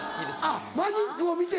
あっマジックを見て。